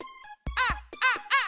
あっあっあっ！